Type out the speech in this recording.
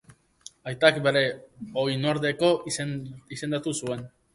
Aitak bere oinordeko izendatu zuen.